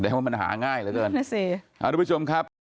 ได้ว่ามันหาง่ายเหลือเกินขอบคุณผู้ชมครับ